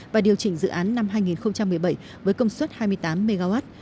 và điều chỉnh dự án năm hai nghìn một mươi bảy với công suất hai mươi tám mw